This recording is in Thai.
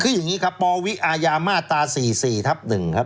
คืออย่างนี้ครับปวิอาญามาตรา๔๔ทับ๑ครับ